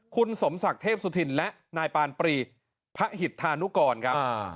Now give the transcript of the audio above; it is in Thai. คุณสมศักดิ์เทพสุธินและนายปานปรีพระหิตธานุกรครับ